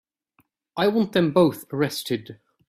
I want them both arrested.